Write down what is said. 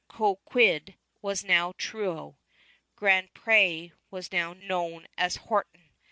Cobequid was now Truro. Grand Pré was now known as Horton.